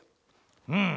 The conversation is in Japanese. うん。